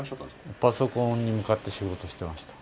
パソコンに向かって仕事してました。